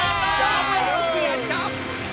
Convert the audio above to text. よくやった！